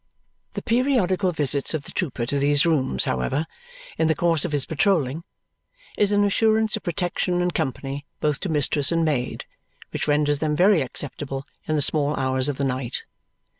The periodical visits of the trooper to these rooms, however, in the course of his patrolling is an assurance of protection and company both to mistress and maid, which renders them very acceptable in the small hours of the night.